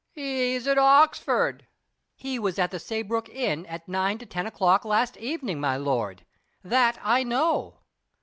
"He is at Oxford." "He was at the Saybrook inn at nine to ten o'clock last evening, my lord. That I know."